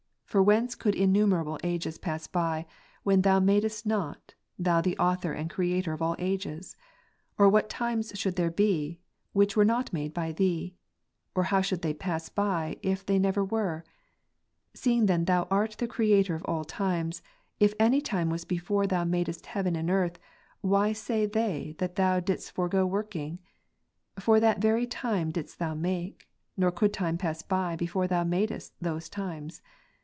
For whence could innumerable ages pass by, which Thou madest not, Thou the Author and Creator of all ages ? or what times should there be, which were not made by Thee "»? or how should they pass by, if they never were ? Seeing then Thou art the Creator of all times, if any time was before Thou madest heaven and earth, why say they that Thou didst forego working? For that very time didst Thou make, nor could times pass by, before Thou madest those times.